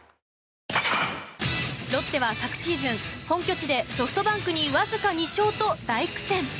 ロッテは昨シーズン本拠地でソフトバンクにわずか２勝と大苦戦。